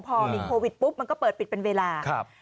พอมีโควิดปุ๊บมันก็เปิดปิดเป็นเวลา